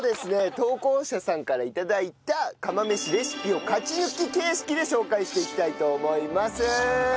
投稿者さんから頂いた釜飯レシピを勝ち抜き形式で紹介していきたいと思います。